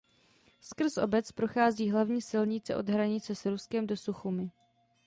Skrz obec prochází hlavní silnice od hranice s Ruskem do Suchumi.